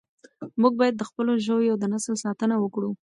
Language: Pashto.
موږ باید د خپلو ژویو د نسل ساتنه وکړو.